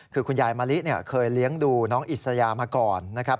คือคุณยายมะลิเคยเลี้ยงดูน้องอิสยามาก่อนนะครับ